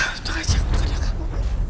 untung aja untung ada kamu